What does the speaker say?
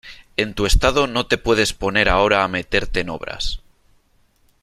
en tu estado no te puedes poner ahora a meterte en obras ,